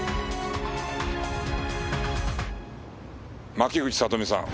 牧口里美さん。